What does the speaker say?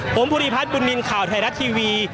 ผมภูริพัฒน์บุญนินทร์ข่าวไทยรัฐทีวี